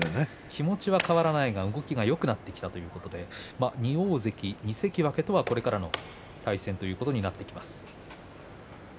気持ちは変わらないが動きがよくなってきたということで２大関２関脇とはこれからの対戦ということになります。